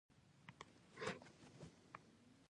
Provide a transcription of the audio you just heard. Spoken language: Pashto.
وسله د زړه توروالی دی